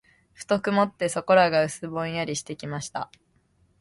ふと曇って、そこらが薄ぼんやりしてきました。